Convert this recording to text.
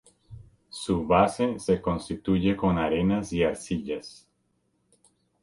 Su base se constituye con arenas y arcillas.